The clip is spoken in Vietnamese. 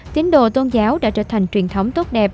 tín đồ tôn giáo đã trở thành truyền thống tốt đẹp